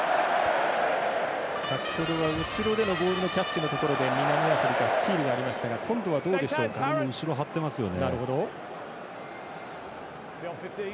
先ほどは後ろでのボールキャッチのところで南アフリカスチールがありましたが後ろはってますよね。